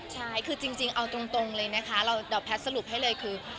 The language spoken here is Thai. ใช่คือจริงเอาตรงเลยนะคะเดี๋ยวแพทย์สรุปให้เลยคือ